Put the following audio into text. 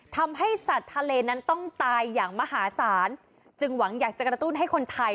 ทำให้สัตว์ทะเลนั้นต้องตายอย่างมหาศาลจึงหวังอยากจะกระตุ้นให้คนไทย